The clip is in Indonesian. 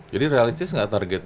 jadi realistis gak target